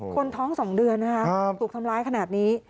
คนท้อง๒เดือนนะคะถูกทำร้ายขนาดนี้